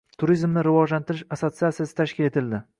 “Turizmni rivojlantirish” assotsiatsiyasi tashkil etildi